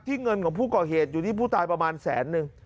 เงินของผู้ก่อเหตุอยู่ที่ผู้ตายประมาณแสนนึง